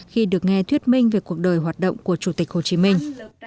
khi được nghe thuyết minh về cuộc đời hoạt động của chủ tịch hồ chí minh